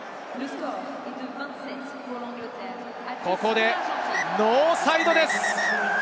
ここでノーサイドです。